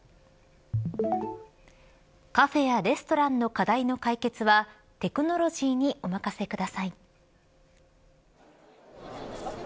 カフェやレストランの課題の解決はテクノロジーにおまかせください。